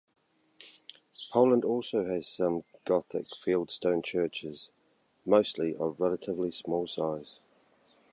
Poland also has some Gothic fieldstone churches, mostly of relatively small size.